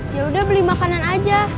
yaudah beli makanan aja